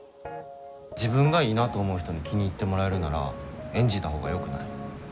自分がいいなと思う人に気に入ってもらえるなら演じたほうがよくない？